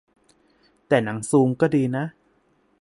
- แต่ "หนังซูม" ก็ดีนะ